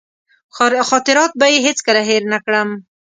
خاطرات به یې هېڅکله هېر نه کړم.